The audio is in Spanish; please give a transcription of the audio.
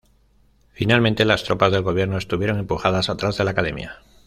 Finalmente, las tropas del gobierno estuvieron empujadas atrás de la Academia.